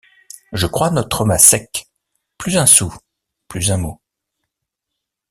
Je crois notre homme à sec. — Plus un sou, plus un mot.